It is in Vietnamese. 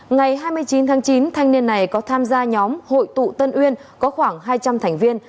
ngày hai mươi chín tháng chín thanh niên này có tham gia nhóm hội tụ tân uyên có khoảng hai trăm linh thành viên